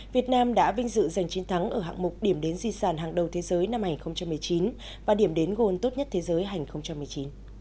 việt nam đã vinh dự giành chiến thắng ở hạng mục điểm đến di sản hàng đầu thế giới năm hai nghìn một mươi chín và điểm đến gold tốt nhất thế giới hành hai nghìn một mươi chín